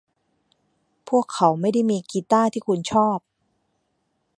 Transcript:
พวกเขาไม่ได้มีกีตาร์ที่คุณชอบ ?